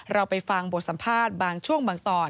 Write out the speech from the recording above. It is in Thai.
เราไปฟังบทสัมภาษณ์บางช่วงบางตอน